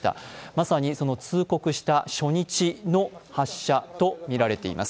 まさにその通告した初日の発射とみられています。